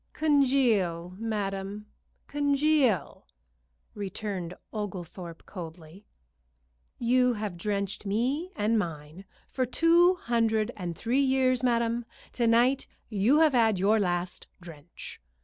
"Congeal, madam, congeal!" returned Oglethorpe, coldly. "You have drenched me and mine for two hundred and three years, madam. To night you have had your last drench."